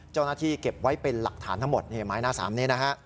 เจ้าหน้าที่เก็บไว้เป็นหลักฐานทั้งหมดไม้หน้าสามนี้